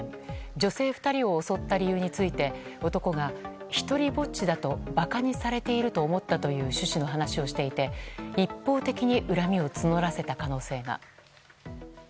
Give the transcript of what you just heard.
女性２人を襲った理由について男が独りぼっちだと馬鹿にされていると思ったという趣旨の話をしていて一方的に恨みを募らせた可能性が。